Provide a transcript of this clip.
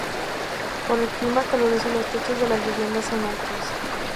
Por el clima caluroso los techos de las viviendas son altos.